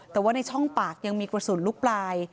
แต่ว่าในช่องปากยังมีกระสุนลูกปลาย